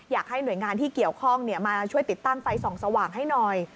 อยากให้หน่วยงานที่เกี่ยวข้องมาช่วยติดตั้งไฟส่องสว่างให้หน่อย